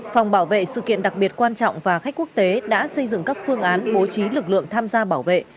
phòng bảo vệ sự kiện đặc biệt quan trọng và khách quốc tế đã xây dựng các phương án bố trí lực lượng tham gia bảo vệ